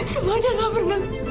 semuanya enggak benar